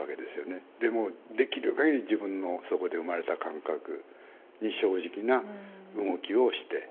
でもうできるかぎり自分のそこで生まれた感覚に正直な動きをして。